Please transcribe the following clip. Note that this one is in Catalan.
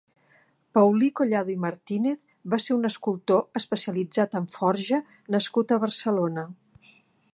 Paulí Collado i Martínez va ser un escultor especialitzat en forja nascut a Barcelona.